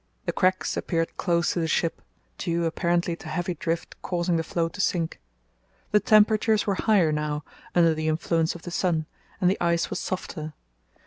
The cracks appeared close to the ship, due apparently to heavy drift causing the floe to sink. The temperatures were higher now, under the influence of the sun, and the ice was softer.